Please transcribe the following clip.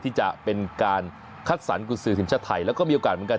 ที่จะเป็นการคัดสรรกุศือทีมชาติไทยแล้วก็มีโอกาสเหมือนกัน